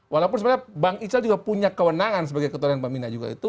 walaupun sebenarnya bang ical juga punya kewenangan sebagai ketua dan pembina juga itu